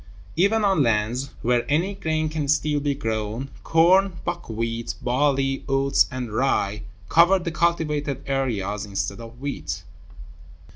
Even on lands where any grain can still be grown, corn, buckwheat, barley, oats, and rye, cover the cultivated areas instead of wheat.